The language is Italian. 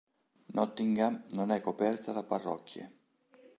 Nottingham non è coperta da parrocchie.